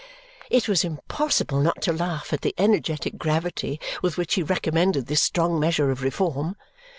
It was impossible not to laugh at the energetic gravity with which he recommended this strong measure of reform.